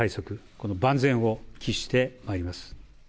この万全を期してまいります。